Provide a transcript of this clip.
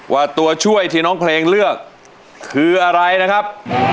ตัวช่วยที่น้องเพลงเลือกคืออะไรนะครับ